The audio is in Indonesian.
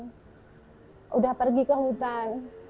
sudah pergi ke hutan